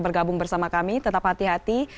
bergabung bersama kami tetap hati hati